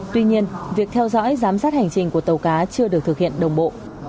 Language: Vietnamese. tuy nhiên việc theo dõi giám sát hành trình của tàu cá chưa được thực hiện đồng bộ